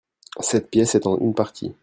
Cette pièce en est une partie.